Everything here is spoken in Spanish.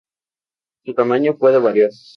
Su tamaño puede variar.